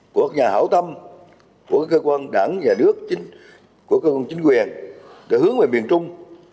của nhà hảo tâm của cơ quan đảng nhà nước của cơ quan chính quyền để hướng về miền trung